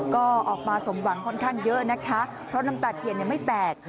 ก็ออกมาสมหวังค่อนข้างเยอะนะคะเพราะน้ำตาเทียนยังไม่แตก